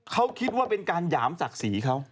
เขาคิดว่าเป็นการหยามศักดิ์ศรีเขา